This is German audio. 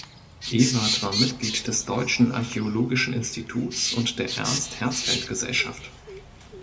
Ewert war Mitglied des Deutschen Archäologischen Instituts und der Ernst-Herzfeld-Gesellschaft.